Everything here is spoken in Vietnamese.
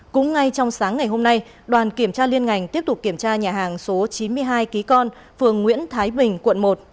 cũng ngay trong sáng ngày hôm nay đoàn kiểm tra liên ngành tiếp tục kiểm tra nhà hàng số chín mươi hai ký con phường nguyễn thái bình quận một